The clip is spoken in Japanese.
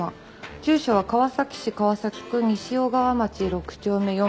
住所は川崎市川崎区西小川町６丁目４番９号。